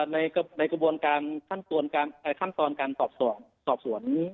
ในกับในกระบวนการส่วนการคั่นตอนการตอบส่วน